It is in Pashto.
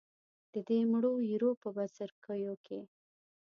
د دې مړو ایرو په بڅرکیو کې.